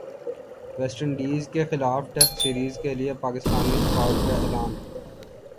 waste انڈیزکےخلاف test series کے لیےپاکستانی اسکواڈ کا اعلان